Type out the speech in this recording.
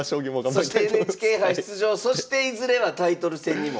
そしてＮＨＫ杯出場そしていずれはタイトル戦にも。